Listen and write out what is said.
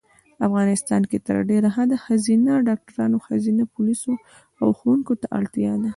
افغانیستان کې تر ډېره حده ښځېنه ډاکټرانو ښځېنه پولیسو او ښوونکو ته اړتیا ده